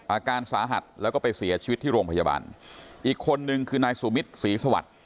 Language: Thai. อาการสาหัสแล้วก็ไปเสียชีวิตที่โรงพยาบาลอีกคนนึงคือนายสุมิตรศรีสวัสดิ์